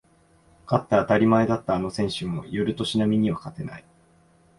勝って当たり前だったあの選手も寄る年波には勝てない